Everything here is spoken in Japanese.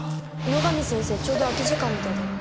野上先生ちょうど空き時間みたいだよ。